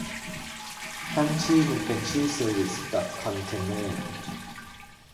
ตั้งชื่อมันเป็นชื่อเซอร์วิสดอทคอนเทอนเนอร์